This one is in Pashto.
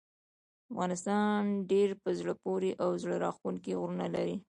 افغانستان ډیر په زړه پورې او زړه راښکونکي غرونه لري.